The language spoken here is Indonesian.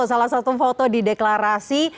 salah satu foto di deklarasi